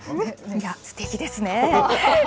いや、すてきですねー。